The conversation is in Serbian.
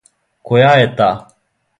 Која је та?